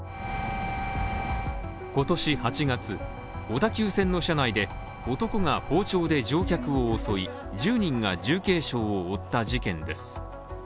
今年８月、小田急線の車内で男が包丁で乗客を襲い、１０人が重軽傷を負った事件です。